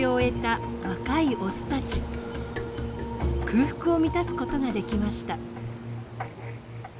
空腹を満たすことができました。